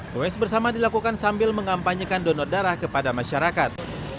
goes bersama dilakukan sambil mengampanyekan donor darah kepada masyarakat